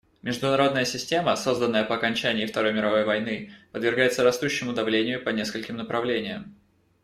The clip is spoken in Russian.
Международная система, созданная по окончании Второй мировой войны, подвергается растущему давлению по нескольким направлениям.